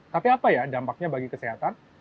tapi apa ya dampaknya bagi kesehatan